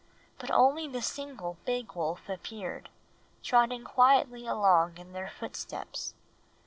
But only the single big wolf appeared, trotting quietly along in their footsteps.